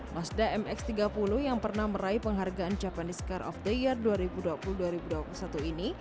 mazda mx tiga puluh yang pernah meraih penghargaan japanese care of the year dua ribu dua puluh dua ribu dua puluh satu ini